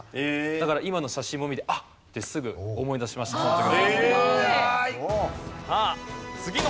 だから今の写真を見て「あっ！」ってすぐ思い出しましたその時の。